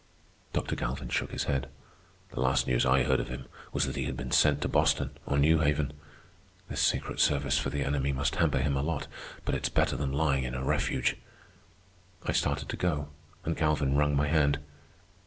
Dr. Galvin shook his head. "The last news I heard of him was that he had been sent to Boston or New Haven. This secret service for the enemy must hamper him a lot, but it's better than lying in a refuge." I started to go, and Galvin wrung my hand.